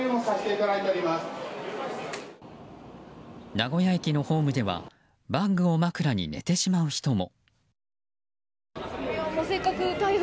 名古屋駅のホームではバッグを枕に寝てしまう人も。